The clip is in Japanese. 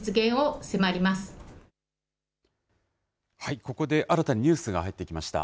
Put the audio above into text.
ここで新たにニュースが入ってきました。